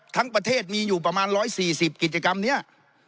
ทั้งประเทศมีอยู่ประมาณ๑๔๐กิจกรรมนี้